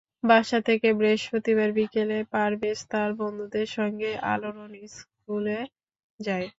বাসা থেকে বৃহস্পতিবার বিকেলে পারভেজ তাঁর বন্ধুদের সঙ্গে আলোড়ন স্কুলে যায়।